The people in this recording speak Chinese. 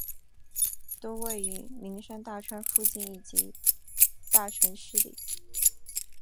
多位于名山大川附近以及大城市里。